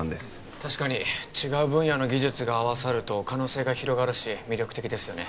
確かに違う分野の技術が合わさると可能性が広がるし魅力的ですよね